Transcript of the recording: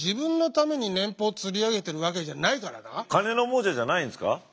俺は金の亡者じゃないんですか？